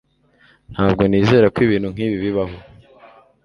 Ntabwo nizera ko ibintu nkibi bibaho